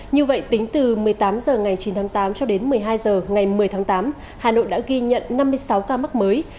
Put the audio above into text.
như vậy tính từ một mươi tám h ngày chín tháng tám cho đến một mươi hai h ngày một mươi tháng tám hà nội đã ghi nhận năm mươi sáu ca mắc mới